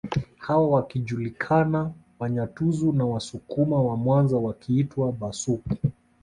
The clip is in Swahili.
Hawa wakijulikana Wanyantuzu na Wasukuma wa Mwanza wakiitwa Bhasuku